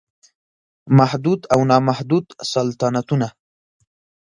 محدود او نا محدود سلطنتونه